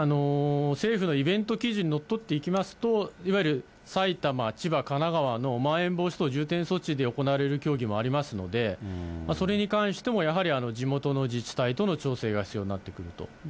政府のイベント基準にのっとっていきますと、いわゆる埼玉、千葉、神奈川のまん延防止等重点措置で行われる競技もありますので、それに関してもやはり地元の自治体との調整が必要になってくると。